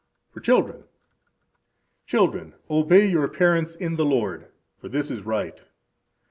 For Children. Children, obey your parents in the Lord; for this is right.